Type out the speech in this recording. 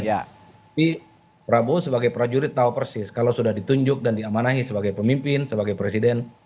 tapi prabowo sebagai prajurit tahu persis kalau sudah ditunjuk dan diamanai sebagai pemimpin sebagai presiden